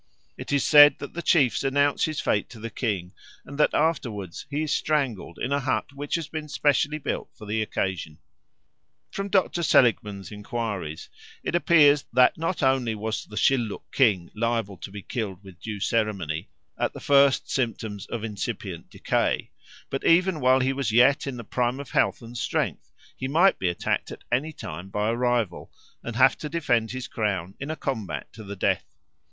It is said that the chiefs announce his fate to the king, and that afterwards he is strangled in a hut which has been specially built for the occasion. From Dr. Seligman's enquiries it appears that not only was the Shilluk king liable to be killed with due ceremony at the first symptoms of incipient decay, but even while he was yet in the prime of health and strength he might be attacked at any time by a rival and have to defend his crown in a combat to the death.